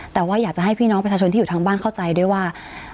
แต่ว่าอยากจะให้พี่น้องประชาชนที่อยู่ทางบ้านเข้าใจด้วยว่า